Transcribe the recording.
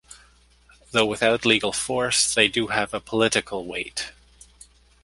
Though without legal force, they do have a political weight.